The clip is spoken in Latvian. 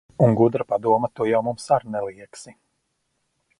Un gudra padoma tu jau mums ar neliegsi.